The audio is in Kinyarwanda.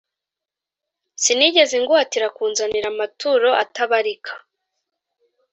sinigeze nguhatira kunzanira amaturo atabarika,